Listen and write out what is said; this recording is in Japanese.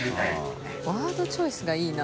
ワードチョイスがいいな。